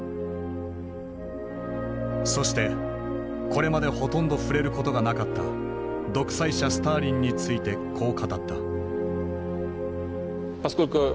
そしてこれまでほとんど触れることがなかった独裁者スターリンについてこう語った。